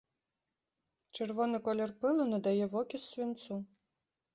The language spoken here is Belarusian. Чырвоны колер пылу надае вокіс свінцу.